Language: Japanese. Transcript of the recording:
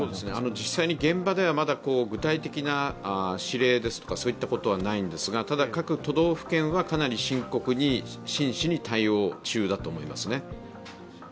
実際に現場ではまだ具体的な指令といったことはないんですかただ、各都道府県はかなり深刻に、真摯に対応中だと思いますね。